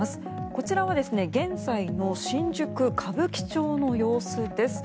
こちらは現在の新宿・歌舞伎町の様子です。